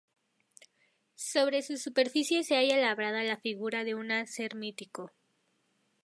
Sobre su superficie se halla labrada la figura de una ser mítico.